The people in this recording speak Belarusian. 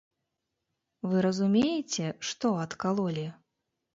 Вы разумееце, што адкалолі?